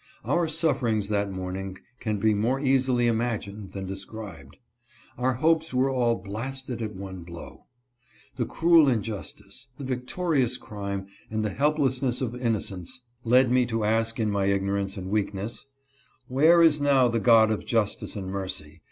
Our sufferings that morning can be more easily imagined than described. Our hopes were all blasted at one blow. The cruel injustice, the victorious crime, and the help lessness of innocence, led me to ask in my ignorance and weakness : Where is now the God of justice and mercy